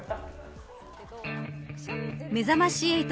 めざまし８